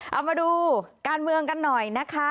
เอามาดูการเมืองกันหน่อยนะคะ